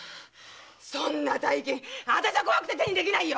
そんな大金あたしゃ怖くて手にできないよ！